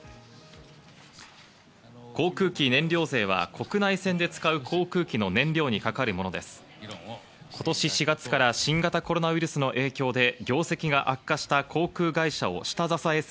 航空機燃料税は国内線で使う航空機の燃料にかかるものです。